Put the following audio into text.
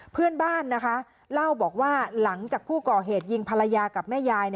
เพื่อนบ้านนะคะเล่าบอกว่าหลังจากผู้ก่อเหตุยิงภรรยากับแม่ยาย